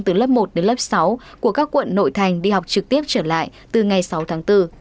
từ lớp một đến lớp sáu của các quận nội thành đi học trực tiếp trở lại từ ngày sáu tháng bốn